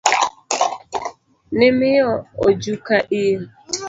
Nimiyo ojuka in.